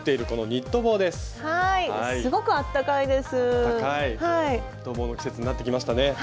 ニット帽の季節になってきましたね。